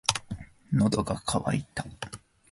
喉が渇いた。